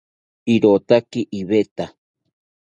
Irotaki iveta